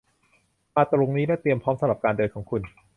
มาตรงนี้ และเตรียมพร้อมสำหรับการเดินของคุณ